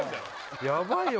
ヤバいよ